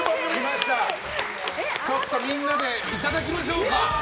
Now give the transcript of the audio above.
ちょっとみんなでいただきましょうか。